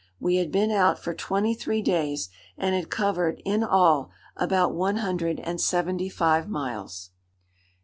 We had been out for twenty three days and had covered, in all, about one hundred and seventy five miles.